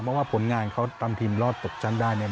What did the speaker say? เพราะว่าผลงานเขาทำทีมรอดตกชั้นได้เนี่ย